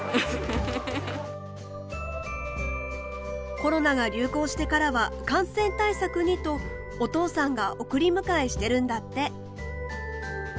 コロナが流行してからは感染対策にとお父さんが送り迎えしてるんだって。